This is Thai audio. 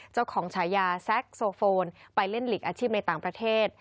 ฉายาแซคโซโฟนไปเล่นหลีกอาชีพในต่างประเทศ